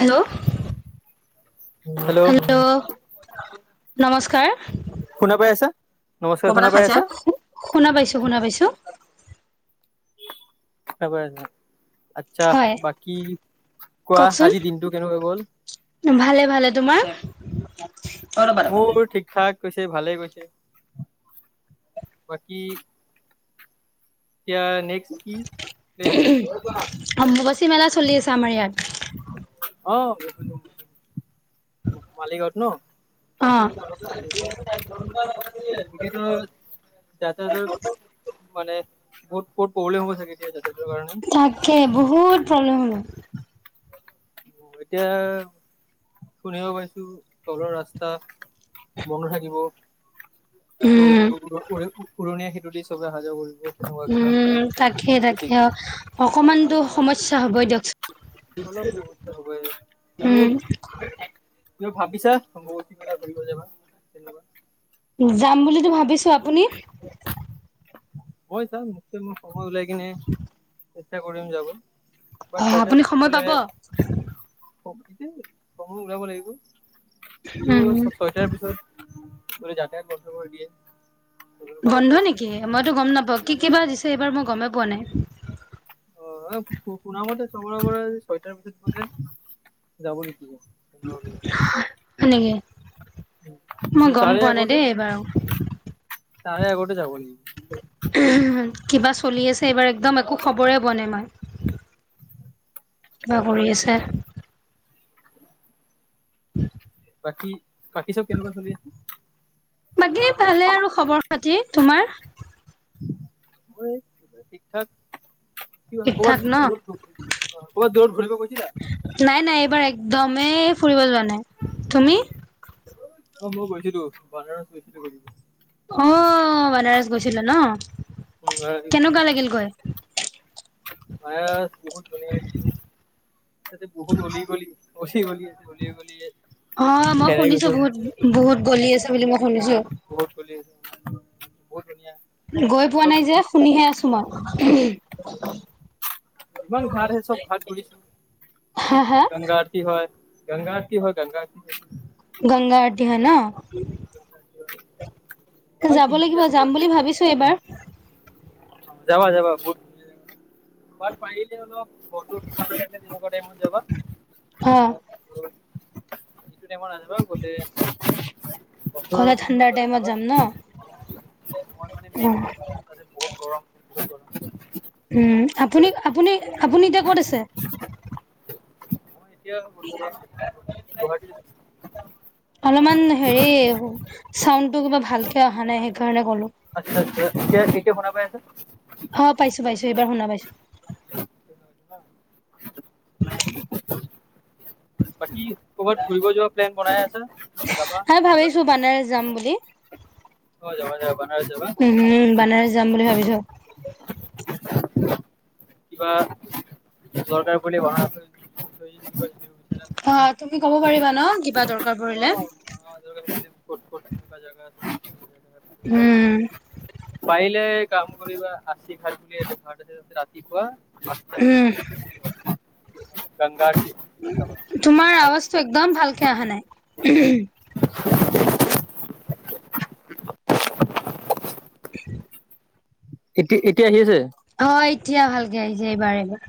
Hello hello নমস্কাৰ শুনা পাই আছা? নমস্কাৰ শুনা [unintelligible] পাই খাইছা আছা? শুনা পাইছো শুনা পাইছো। সব আছে আচ্ছা! হয় বাকী কোৱা, কওকচোন আজি দিনটো কেনেকুৱা গল? ভালে ভালে তোমাৰ মোৰ, ঠিক ঠাক। গৈছে ভালে গৈ, বাকী এতিয়া নেক্সট কি প্লেন আছে? অম্বুবাচী মেলা চলি আছে আমাৰ ইয়াত। [unintelligible] মালিগাওঁত ন? তাতে অ এতিয়াতো যাতায়তৰ মানে বহুত বহুত প্ৰব্লেম হ'বা চাগে এতিয়া যাতায়তৰ তাকে বহুত প্ৰব্লেম হ'ব। এতিয়া শুনিব পাইছো তলৰ ৰাস্তা বন্ধ থাকিব। ত' উম উৰ উৰ উৰণীয়া সেঁতু টো দি সবে হাজিৰা কৰিব তেনেকুৱা উম তাকে তাকে কিবা। অকমানতো সমস্যা হবই দিয়ক অনেক সমস্যা হ'ব, আৰু [unintelligible] ভাবিছা বহুত দিনলৈ ঘূৰিব যাবা [unintelligible] যাম বুলিতো ভাবিছোঁ, আপুনি? মই যাম, [unintelligible] মই উলাই কিনে ইচ্ছা কৰিম যাব। বাট অ ছয়টাৰ আপুনি ভিতৰত সময় গ'লে পাব [unintelligible] সময় উলাব লাগিব। কিন্তু হুম, ছয়টাৰ পিছত [unintelligible] যাতায়াত বন্ধ কৰি দিয়ে। বন্ধ নেকি, মইতো গ গম নাপাওঁ কি কিবা দিছে এইবাৰ মই গমে পোৱা নাই। অ', শুনামতে [unintelligible] পৰা ছয়টাৰ পিছতে, যাব [unintelligible] তেনেকুৱা কিবা সেনেকে, মই কিন্তু গম তাৰে পোৱা নাই আগতে দেই এইবাৰো, তাৰে আগতে যাব লাগিব কিবা চলি আছে এইবাৰ একদম একো খবৰে পোৱা মই আমাৰ, কিবা কৰি আছে। [inaudible] বাকী বাকী চব কেনেকুৱা চলি আছে বাকী ভালে আৰু খবৰ পাতি তোমাৰ ঠিক ঠাক কি হয় ঠিক ঠাক কবাৰ ন দূৰত কবাৰ দূৰত ঘূৰিব গৈছিলা এবাৰ একদমেই ফুৰিব যোৱা নাই তুমি অ মই গৈছিলো বনাৰস গৈছিলো গৈছিলো অ বনাৰস গৈছিলা ন উম বানাৰস গৈছিলো। কেনেকুৱা লাগিল গৈ [unintelligible] বহুত ধুনিয়া লাগিছে তাতে বহুত অলি গলি অলি গলি আছে অলি গলিয়ে অ মই হেৰাই শুনিছো গৈছো বহুত বহুত গলি আছে বুলি মই শুনিছো বহুত গলি আছে বহুত ধুনীয়া গৈ পোৱা চব নাই যে শুনিহে আছো মই উম ইমান ঘাঁত আহে চব ঘাত ঘূৰি তাতে হা হা গংগা আৰতি হয় গগা কি হয় গংগা কি গংগা আৰতি হয় ন উ মই তিনদিন আছিলো তাতে [inaudible] যাবা যাবা বতাত পাৰিলে অলপ ফটো অ [unintelligible] [unintelligible] গলে গলে ঠাণ্ডাৰ টাইমত যাম অ ন মই মানে মে' অ মাহত দিনত আছে বহুত গৰম বহুত গৰম উ উম আপুনি আপুনি আপুনি এতিয়া ক'ত আছে মই এতিয়া বৰ্তমান গুৱাহাটীত অলপমান হেৰি চাউন্ডটো কিবা ভাল কে অহা নাই সেইকাৰণে ক'লোঁ তিয়া ঠিকে হোনা পাই আছা অ পাইছো পাইছো এইবাৰ শুনা পাইছো অ বাকী ক'বাত ঘূৰিব যোৱা প্লেন বনাই হ হা ভাবিছো বানাৰছ যাম বুলি যাবা যাবা বান উম হম বানাৰছ যাম বুলি ভাবিছো কিবা দৰকাৰ পৰিলে [unintelligible] অ তুমি ক'ব পাৰিবা ন কিবা দৰকাৰ পৰিলে উম, [inaudible] পাৰিলে কাম কৰিবা আছি ঘাট বুলি এটা ঘাট আছে, তাতে ৰাতিপুৱা উম ক তোমাৰ আৱাজটো একদম ভালকে অহা নাই [unintelligible] উ এতিয়া এতিয়া আহি আছে হয় এতিয়া ভালকে আহিছে এইবাৰ, এইবাৰ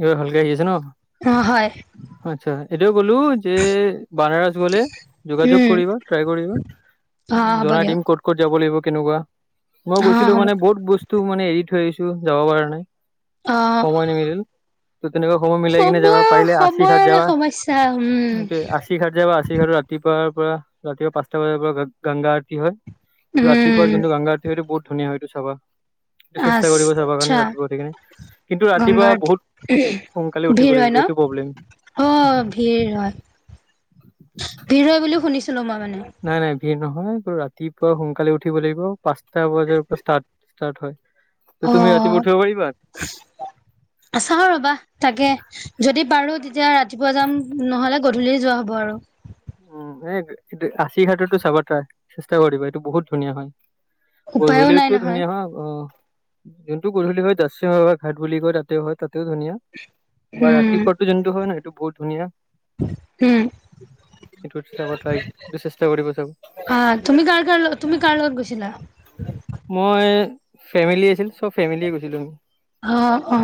এইবাৰ ভালকে আহিছে ন? অ', হয় আতছা। এটো বোলো যে, বানাৰস গ'লে যোগাযোগ উম, কৰিবা, ট্ৰাই কৰিবা, অ', হ'ব জনাই দিয়ক দিম ক'ত ক'ত যাব লাগিব কেনেকুৱা মই অ', গৈছিলো হ'ব। মানে বহুত বস্তু মানে এৰি থৈ আহিছো টো যাব পৰা নাই। অ', সময় নিমিলিল। ত তেনেকুৱা সময় মিলাই কিনে যাব সময়ৰ পাৰিলে আশী ঘাট সময়ৰে যাবা, সমস্যা উম, আশী ঘাট যাবা আশী ঘাট ৰাতিপুৱা ৰ পৰা ৰাতিপা পাঁচটা বজাৰ পৰা গংগা আৰতি হয়। টো ৰাতিপুৱা উম। যিটো গংগা আৰতি হয়, টো‌ বহুত ধুনীয়া হয়তো চাবা। চেষ্টা কৰিব চাবৰ আচ্ছা কাৰণে ৰাতিপুৱা উঠি কেনে কিন্তু ৰাতিপুৱা গংগাত বহুত সোনকালে উঠিব ভিৰ হয় লাগিব ন? এইটো প্ৰব্লেম। অ', ভিৰ হয়, ভিৰ হয়, বুলিও শুনিছিলো মই। মানে নাই, নাই ভি নহয়, ৰাতিপুৱা সোনকালে উঠিব লাগিব পাঁচটা বজাৰ পৰা ষ্টাৰট ষ্টাৰ্ট হয়। ত তুমি ৰাতিপুৱা অ', উঠিব পাৰিবা চাও ৰবা তাকে। যদি পাৰো তেতিয়া ৰাত ৰাতিপুৱা যাম, নহ'লে গধ ধূলি যোৱা হ'ব আৰু। উম, এ এই আশী ঘাটতো চাব ট্ৰা চেষ্টা কৰিব এইটো বহুত ধুনীয়া হয়। উপায়ো নাই গধূলিতো নহয় ধুনীয়া হয়, অ। যোনটো গধূলি হয়, [unintelligible] ঘাট বুলি কয় তাতে হয়, তাত ধুনীয়া বা ৰাতি উম ফটো যোনটো হয়, ন এইটো বহুত ধুনীয়া। উম সেইটো চাব ট্ৰাই সেইটো চেষ্টা কৰিব চাব অ', তুমি কাৰ কাৰ তুমি কাৰ লগত গৈছিলা? মই ফেমিলি আছিল, চব ফেমিলিয়ে গৈছিলো আমি। অ', অ',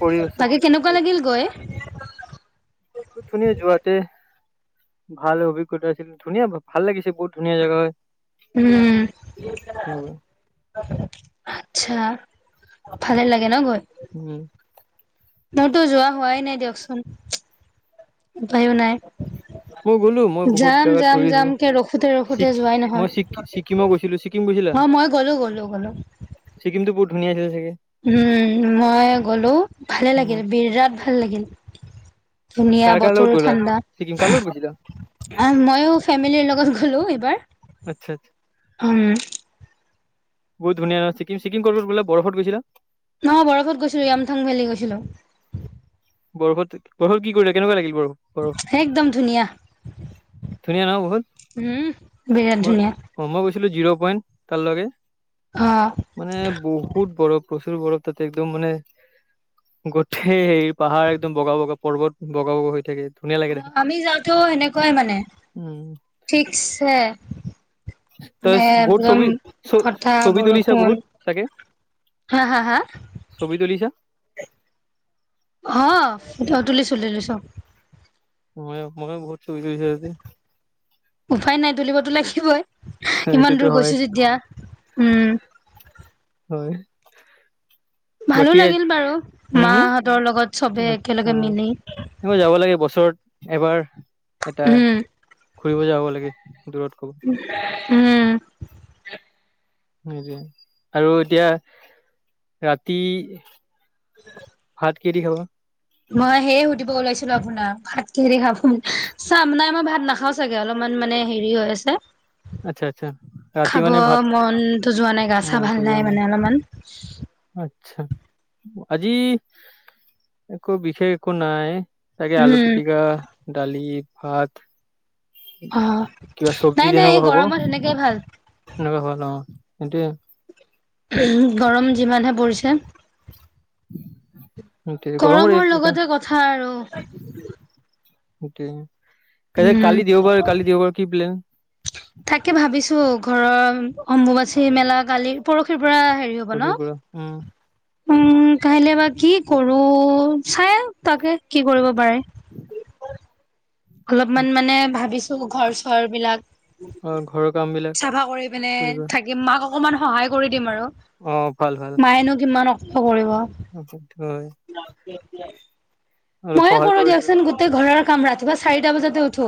পৰিবেশ চব বাকী কেনেকুৱা লাগিল গৈ? বহুত ধুনীয়া যোৱাতে ভাল অভিজ্ঞতা আছিল। ধুনীয়া ভাল লাগিছে বহুত ধুনীয়া জেগা হয়। উম। তেনেকুৱা আতচ্ছা ভালে লাগে ন গৈ? উম মোৰতো যোৱা হোৱাই নাই দিয়কচোন। উপায়ো নাই। মই গ'লো মই বহুত যাম জেগাত যাম যাম ঘূৰিছো কে ৰখোতে ৰখোতে ছিকি যোৱাই মই নহয়, ছিকি ছিকিমো গৈছিলো ছিকিম গৈছিলা অ' মই গ'লো গলো গ'লো। ছিকিমতো বহুত ধুনীয়া [unintelligible] উম, মই গ'লো। ভালে উম লাগিল, বিৰাট ভাল লাগিল। ধুনীয়া, কাৰ কাৰ লগত বতৰো গ'লা ঠাণ্ডা। ছিকিম কাৰ লগত গৈছিলা মইয়ো ফেমিলিৰ লগত গ'লো এইবাৰ। আচ্ছা আচ্ছা উম। বহুত ধুনীয়া ন' চিক্কিম? চিক্কিম কৰিবত বোলে বৰফত গৈছিলা? অ' বৰফত গৈছিলোঁ, য়ামথং ভেলী গৈছিলোঁ। বৰফত- বৰফত কি কৰিলা? কেনেকুৱা লাগিল বৰফ? বৰফ একদম ধুনীয়া। ধুনীয়া ন বহুত উম, বিৰাট ধুনীয়া। ছিলো জিৰ' পইণ্ট, তাৰ লকে। অ মানে বহুত বৰফ প্ৰচুৰ বৰফ তাতে একদম মানে গোটেই পাহাৰ একদম বগা - বগা পৰ্বত, বগা - বগা হৈ থাকে। ধুনীয়া লাগে দেখাত আমি যাওঁতেও সেনেকুৱাই মানে, উম ঠিকছে। ত নে বহুত একদম ছবি- ছ- ফটা ছবি তুলিছা বৰষুণ বহুত চাগে? হা হা হা ছবি তুলিছা? অ' তুলিছোঁ - তুলিছোঁ ময়ো- ময়ো বহুত [unintelligible] তো লাগিবই। ইমান দূৰ সেইটোতো হয় গৈছো যেতিয়া উম, হয়। ভালো বাকী লাগিল বাৰু উম মাহঁতৰ লগত চবে একেলগে মিলি। অ যাব লাগে বছৰত এবাৰ, এটা উম ঘুৰিব যাব লাগে। দূৰত কব উম নিজে আৰু এতিয়া ৰাতি ভাত কিহেদি খাবা? মই সেয়ে সুধিব ওলাইছিলো আপোনাক ভাতকিহেৰে খাব চাম না মই ভাত নাখাও চাগে অলপমান মানে হেৰি হৈ আছে আচ্ছা আচ্ছা ৰাতি খাব মানে ভাত মনতো যোৱা নাই গা চা ভাল মনটো নাই যোৱা মানে অলমান। আচ্ছা আজি একো বিষয় একো নাই তাকে আলু উম পিটিকা ডালি হাত, অ নাই নাই এ গ হ'ব অ নঅবনা সেইটোয়ে গৰম যিমানহে পৰিছে গৰমৰ লগতে কথা আৰু এটোয়েই কা উম কালি দেওবাৰ কালি দেওবাৰ কি প্লেন তাকে ভাবিছো ঘৰৰ অম্বুবাচী মেলা গালি পৰহি পৰা হেৰি হ'ব ন পৰহিৰ পৰা উম উম কাইলে বা কি কৰো চাং তাকে কি কৰিব পাৰে অলপমান মানে ভাবিছো ত' ঘৰ চৰ বিলাক অ ঘৰৰ কাম বিলাক চাফা কৰি পিনে কৰিবা থাকিম মাক অ অকণমান সহায় কৰি দিম আৰু অ ভাল ভাল মায়েনো কিমান কৰিব হেটোত হয় ন [unintelligible] আৰু মইয়ে সহায় কৰো কৰি দিবা দিয়কচোন গোটেই ঘৰৰ কাম ৰাতিপুৱা চাৰিটা বজাতে উঠো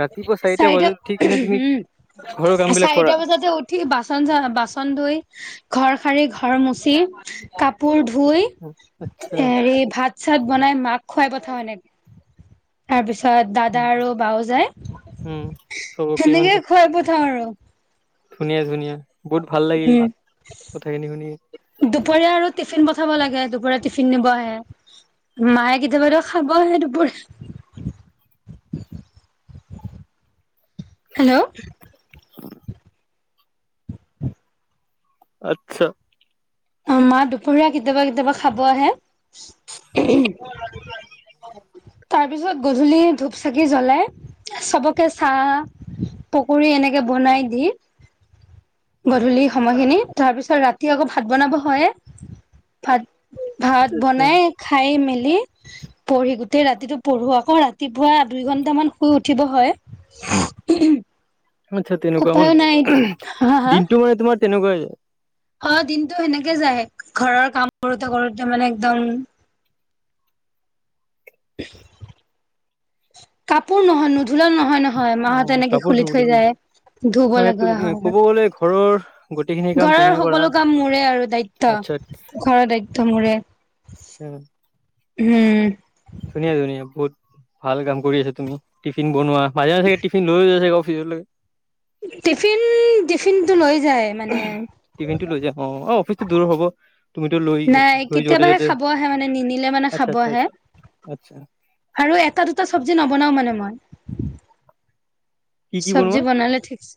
ৰাতিপুৱা চাৰিটা বজাত উঠি কিনে তুমি ঘৰৰ কাম উম বিলাক কৰা চাৰিটা বজাতে উঠি বাচন চা বাচন ধুই ঘৰ সাৰি ঘৰ মুচি কাপ কাপোৰ ধুই আচ্ছা হেৰি ভাত চব বনাই মাক খুৱাই পঠাও এনেকে তাৰপিছত ত দাদা আৰু বাও যায় উম চবকে সেনেকে মানে খোৱাই পঠাও আৰু [unintelligible] ধুনীয়া ধুনীয়া বহুত ভাল লাগে এই উম কথাখিনি শুনি দুপৰীয়া আৰু তি টিফিন পঠাব লাগে দুপৰীয়া টিফিন নিব আহে মায়ে কেতিয়াবা ত খাব আহে দুপৰী হেল্ল' [unintelligible] [unintelligible] আত্ছা অ মা দুপৰীয়া কেতিয়াবা কেতিয়াবা খাব আহে উহুমম তাৰ পিছত গধূলি ধূপ চাকি জ্বলাই চবকে চাহ পকী এনেকে বনাই দি। গধূলি সময়খিনি তাৰপিছত ৰাতি আকৌ ভাত বনাব হয়ে ভাত ভাত আচ্ছা বনাই খাই মেলি পঢ়ি গোটেই ৰাতিটো পঢ়ো আকৌ ৰাতিপুৱা দুই ঘন্টা মান শুই উঠিব হয়। আচ্ছা, তেনেকুৱা মন উপায়ো নাই দিনটো মানে তোমাৰ তেনেকুৱাই যায় অঁ দিনতটো সেনেকে যায় ঘৰৰ কাম কৰোতে কৰোতে মানে একদম কাপোৰ নহনো লা নহয় নহয় মাহত অ', এনেকে কাপোৰ খুলি ধুব থৈ লাগিব যায় ধুব মানে তুমি লগাগে ক'ব হয়। গ'লে ঘৰৰ গোটেইখিনি কাম ঘৰৰ তুমিয়ে কৰা সকলো কাম মোৰে আৰু দায়িত্ব আচ্ছা ঘৰৰ দায়িত্ব মোৰে আচ্ছা উম। ধুনীয়া ধুনীয়া বহুত ভাল কাম কৰি আছা তুমি টিফিন বনোৱা। ভাজে থে টফিন লৈ থিয়ৈ টিফিন টিফিন টো লৈ যায় মানে টিভিন টো লৈ যায় অঁ অঁ অফিচটোৰ দূৰ হ'ব। তুমিতো লৈ নাই লৈ যোৱাতে কেতিয়াবাহে যোৱাতে খাব আহে মানে নিনিলে মানে খাব আহে। আত্চ্ছা। আৰু এটা দুটা চব্জি নবনাও মানে মই। কি কি চব্জি বনোৱা বনালে ঠিকছে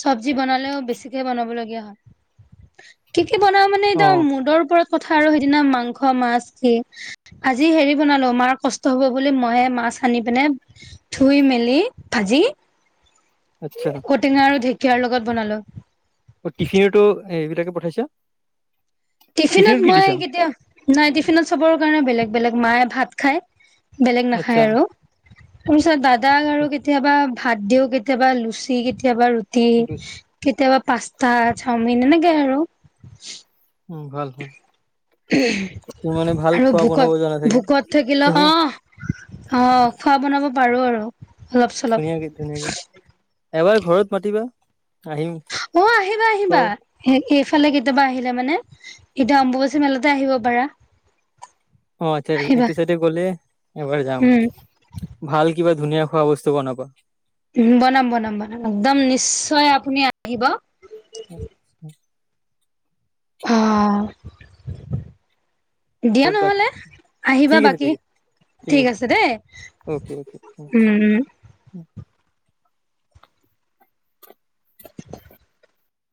চব্জি বনালেও বেছিকে বনাবলগীয়া হয়। [unintelligible] কি বনাও মানে ইদম অ', মুদৰ ওপৰত কথা আৰু সেইদিনা মাংস মাছ কি, আজি হেৰি বনালো মাৰ কষ্ট হব বুলি ময়ে মাছ আনি পিনে ধুই মেলি ভাজি আচ্ছা ঔটেঙা আৰু ঢেক কিয়াৰ লগত বনালো। অ', টিফিনতো এইবিলাকে পঠাইছা। টিফিনত কি দিছা মই কেতিয়া নাই টিফিনত চবৰ কাৰণে বেলেগ বেলেগ মায়ে ভাত খায় বেলেগ আচ্ছা নাখায় আৰু। তোইছত দাদাক আৰু কেতিয়াবা ভাত দিও কেতিয়াবা লুচি কেতিয়াবা ৰুট টি কেতিয়াবা পাস্তা, চাওমিন এনেকে আৰু। উম, ভাল ভাল তুমি মানে ভাল আৰু খোৱা বনাব জানা ভোকত চাগে ভোকত থাকিলে অহ ধুনীয়া অ খোৱা বনাব পাৰো আৰু। অলপ চলপ ধুনীয়াকে ধুনীয়াকে এবাৰ ঘৰত মাতিবা। আহিম অ আহিবা আহিবা, খুৱাব হেক এইফালে কেতিয়াবা আহিলে মানে, এতিয়া অম্বুবাচী মেলাতে আহিব পাৰা। অঁ আচ্ছা-আচ্ছা, আহিবা এইটো চাইডে গ'লে এবাৰ যাম, উম ভাল কিবা ধুনীয়া খোৱা বস্তু বনাবা। বনাম বনাম- বনাম, একদম নিশ্চয় আপুনি আহিব অঁ। দিয়া ঠিক আছে নহ'লে আহিবা ঠিক আছে বাকী, ঠিক আছে দেই, অকে অকে উম।